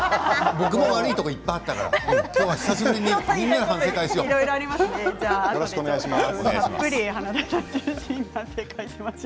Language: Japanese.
僕も悪いところいっぱいあったからお願いします。